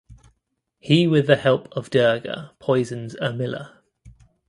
He with the help of Durga poisons Urmila.